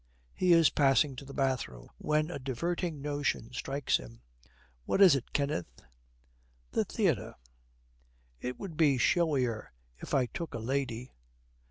He is passing to the bathroom when a diverting notion strikes him. 'What is it, Kenneth?' 'The theatre. It would be showier if I took a lady.'